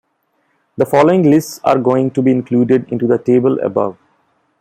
The following lists are going to be included into the table above.